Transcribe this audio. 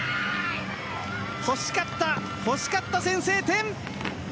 欲しかった、欲しかった先制点！